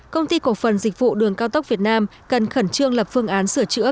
công ty cổ phần dịch vụ đường cao tốc việt nam cần khẩn trương lập phương án sửa chữa